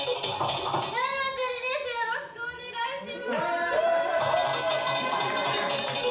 よろしくお願いします。